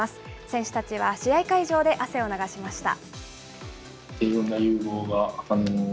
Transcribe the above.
選手たちは試合会場で汗を流しました。